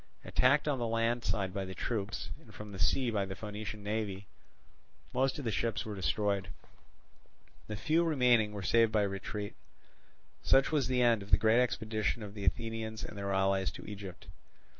Attacked on the land side by the troops, and from the sea by the Phoenician navy, most of the ships were destroyed; the few remaining being saved by retreat. Such was the end of the great expedition of the Athenians and their allies to Egypt.